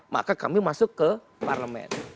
maka kami masuk ke parlemen